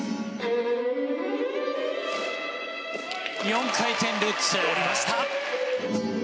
４回転ルッツ。